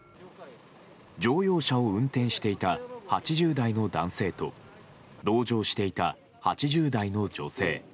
乗用車を運転していた８０代の男性と同乗していた８０代の女性